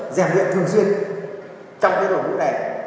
rèm luyện thường xuyên trong thế độ ngũ này